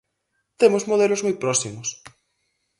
Temos modelos moi próximos.